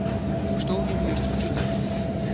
Што ў ім ёсць пачытаць?